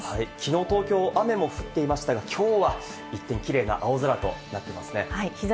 はい、きのう東京、雨も降っていましたが、きょうは一転キレイな青空となっていますね。